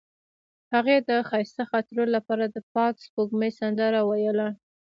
هغې د ښایسته خاطرو لپاره د پاک سپوږمۍ سندره ویله.